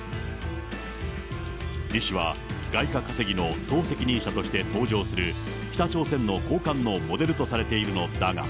リ氏は、外貨稼ぎの総責任者として登場する北朝鮮の高官のモデルとされているのだが。